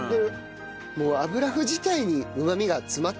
もう油麩自体にうまみが詰まってるんだね。